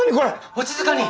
お静かに！